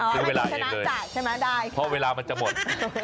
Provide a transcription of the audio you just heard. ให้ชนะจัดใช่มั้ยได้ค่ะเพราะเวลามันจะหมด